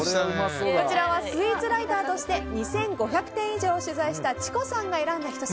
こちらはスイーツライターとして２５００店以上取材したｃｈｉｃｏさんが選んだひと品。